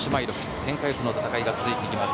けんか四つの戦いが続いていきます。